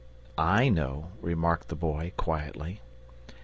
"I know," remarked the Boy, quietly.